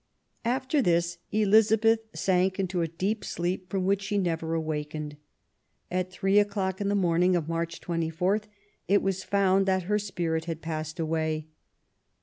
After this Elizabeth sank into a deep sleep from which she never awakened. At three o'clock in the morning of March 24 it was found that her spirit had passed away.